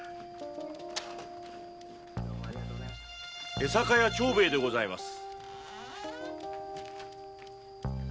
江坂屋長兵衛でございます。